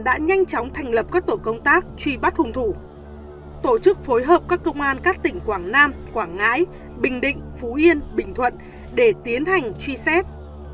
đã nhanh chóng thành lập các tổ công tác truy bắt hung thủ tổ chức phối hợp các công an các tỉnh quảng nam quảng ngãi bình định phú yên bình thuận để tiến hành truy xét